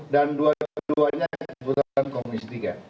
dan dua duanya di buta komunis tiga